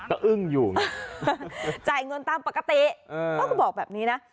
กระอึ้งอยู่ใจเงินตามปกติต้องก็บอกแบบนี้นะ